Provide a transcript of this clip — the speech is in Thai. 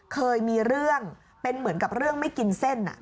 เคยมีเรื่องเป็นเหมือนกับเรื่องไม่กินเส้น